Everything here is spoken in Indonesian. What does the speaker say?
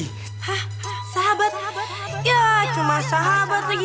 hah sahabat ya cuma sahabat lagi